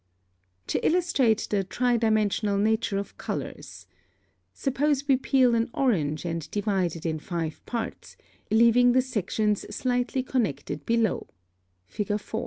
(9) To illustrate the tri dimensional nature of colors. Suppose we peel an orange and divide it in five parts, leaving the sections slightly connected below (Fig. 4).